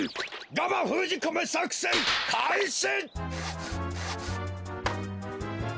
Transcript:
ガマふうじこめさくせんかいし！